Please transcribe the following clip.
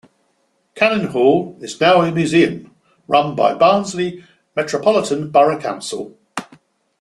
Cannon Hall is now a museum run by Barnsley Metropolitan Borough Council.